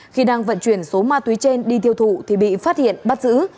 khi đang vận chuyển số ma túy trên đi tiêu thụ thì bị phát hiện bắt giữ